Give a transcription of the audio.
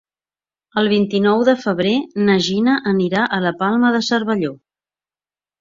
El vint-i-nou de febrer na Gina anirà a la Palma de Cervelló.